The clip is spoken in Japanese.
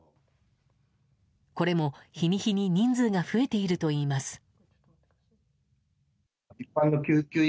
これも日に日に人数が増えているといいます。